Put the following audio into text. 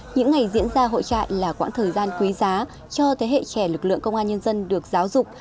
những ngày diễn ra hội trại là quãng thời gian quý giá cho thế hệ trẻ lực lượng công an nhân dân được giáo dục